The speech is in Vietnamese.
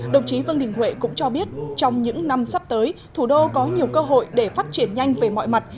đồng chí vương đình huệ cũng cho biết trong những năm sắp tới thủ đô có nhiều cơ hội để phát triển nhanh về mọi mặt